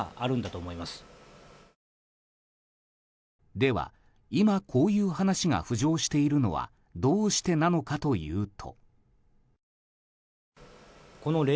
では、今こういう話が浮上しているのはどうしてなのかというと。